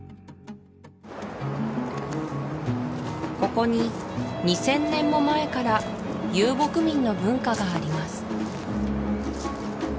ここに２０００年も前から遊牧民の文化があります